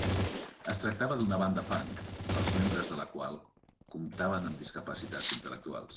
Es tractava d'una banda punk, els membres de la qual comptaven amb discapacitats intel·lectuals.